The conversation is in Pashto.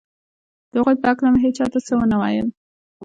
د هغو په هکله مې هېچا ته څه نه ویل